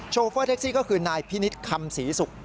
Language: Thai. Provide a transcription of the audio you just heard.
โฟเฟอร์แท็กซี่ก็คือนายพินิษฐ์คำศรีศุกร์